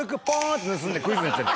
って盗んでクイズになっちゃう。